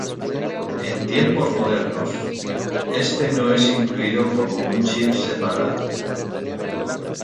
En tiempos modernos, este no es incluido como un chip separado.